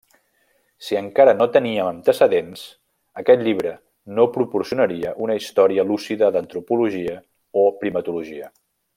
Si encara no teníem antecedents, aquest llibre no proporcionaria una història lúcida d'antropologia o primatologia.